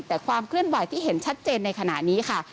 แต่ความเคลื่อนไหวที่เห็นชัดเจนในขณะนี้ค่ะ